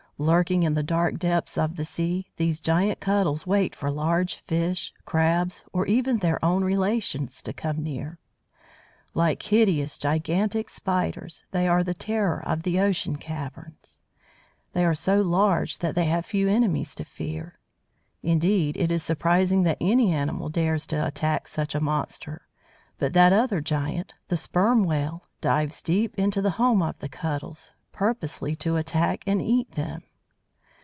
Lurking in the dark depths of the sea, these Giant Cuttles wait for large fish, Crabs, or even their own relations, to come near. Like hideous, gigantic Spiders, they are the terror of the ocean caverns. They are so large that they have few enemies to fear. Indeed, it is surprising that any animal dares to attack such a monster, but that other giant, the Sperm Whale, dives deep to the home of the Cuttles, purposely to attack and eat them.